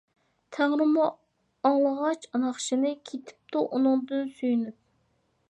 تەڭرىمۇ ئاڭلىغاچ ناخشىنى، كېتىپتۇ ئۇنىڭدىن سۆيۈنۈپ.